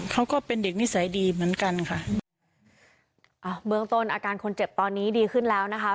เขาก็เป็นเด็กนิสัยดีเหมือนกันค่ะอ่าเบื้องต้นอาการคนเจ็บตอนนี้ดีขึ้นแล้วนะคะ